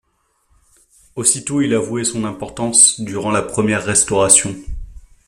Aussitôt il avouait son importance durant la première Restauration.